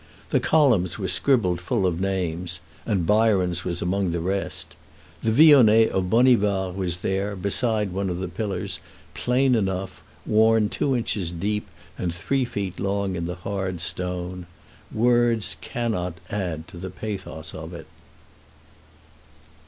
The columns were scribbled full of names, and Byron's was among the rest. The vionnet of Bonivard was there, beside one of the pillars, plain enough, worn two inches deep and three feet long in the hard stone. Words cannot add to the pathos of it.